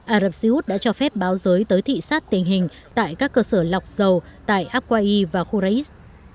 ảo đập xê út đã cho phép báo giới tới thị sát tình hình tại các cơ sở lọc dầu tại akwae và khu raiz